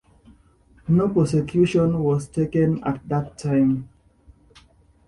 No prosecution was taken at that time.